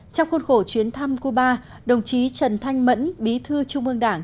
trong khuôn khổ chuyến thăm cuba đồng chí trần thanh mẫn bí thư trung ương đảng